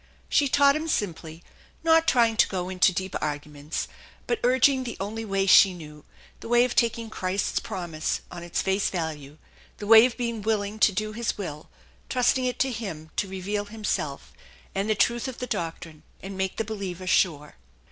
She taught him simply, not trying to go into deep arguments, but urging the only way she knew, the way of taking Christ's promise on its face value, the way of being willing to do Hifl will, trusting it to Him to reveal Himself, and the truth of the doctrine, and make the believer sure.